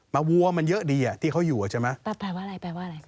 มาวัวมันเยอะดีที่เขาอยู่ใช่ไหม